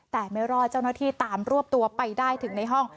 แต่ไม่รอดเจ้าหน้าที่ตามรวบตัวไปได้ถึงในห้อง